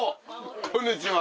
こんにちは。